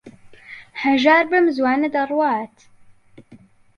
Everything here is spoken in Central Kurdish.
هەژار بەم زووانە دەڕوات.